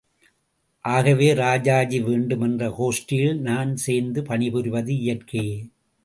ஆகவே ராஜாஜி வேண்டும் என்ற கோஷ்டியில் நான் சேர்ந்து பணிபுரிவது இயற்கையே!